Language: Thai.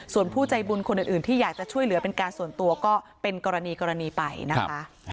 ส่วนผู้ใจบุญคนอื่นที่อยากจะช่วยเหลือเป็นการส่วนตัวก็เป็นกรณีกรณีไปนะคะ